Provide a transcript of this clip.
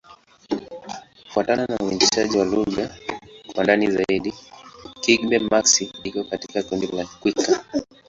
Kufuatana na uainishaji wa lugha kwa ndani zaidi, Kigbe-Maxi iko katika kundi la Kikwa.